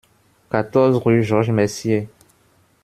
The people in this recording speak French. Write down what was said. quatorze rue Georges Messier